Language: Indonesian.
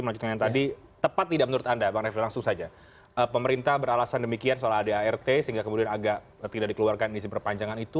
melanjutkan yang tadi tepat tidak menurut anda bang refli langsung saja pemerintah beralasan demikian soal adart sehingga kemudian agak tidak dikeluarkan izin perpanjangan itu